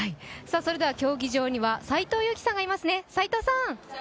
競技場には斎藤佑樹さんがいますね。